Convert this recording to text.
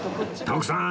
徳さん！